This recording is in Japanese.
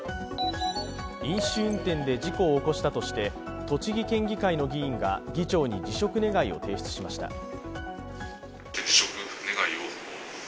飲酒運転で事故を起こしたとして栃木県議会の議員が議長に辞職願を提出しました。